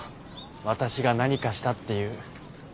私が何かしたっていう。